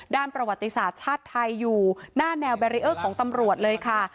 ประวัติศาสตร์ชาติไทยอยู่หน้าแนวแบรีเออร์ของตำรวจเลยค่ะ